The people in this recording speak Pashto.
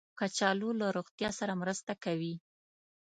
کچالو له روغتیا سره مرسته کوي